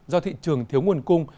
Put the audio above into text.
do thị trường thiếu nguồn cung